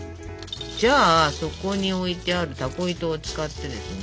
じゃあそこに置いてあるタコ糸を使ってですね。